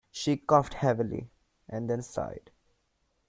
She coughed heavily and then sighed.